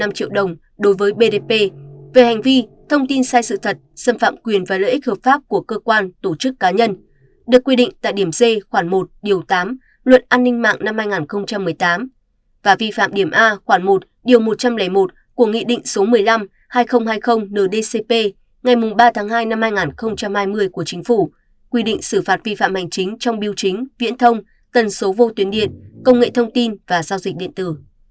phòng an ninh mạng và phòng chống tội phạm sử dụng công nghệ cao công an tỉnh bình dương đã ra quyết định xử phạt vi phạm hành trình trong biểu chính viễn thông tần số vô tuyến điện công nghệ thông tin và giao dịch điện tử